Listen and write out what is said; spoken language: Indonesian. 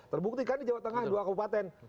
terbukti kan di jawa tengah dua kabupaten